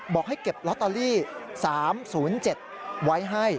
บอกให้เก็บลอตเตอรี่๓๐๗ไว้ให้